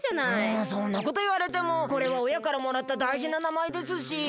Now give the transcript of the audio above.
えそんなこといわれてもこれはおやからもらっただいじななまえですし。